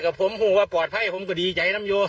บอกเจ็บตัวไม่ใช่เลย